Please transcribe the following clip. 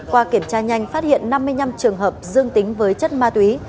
qua kiểm tra nhanh phát hiện năm mươi năm trường hợp dương tính với chất ma túy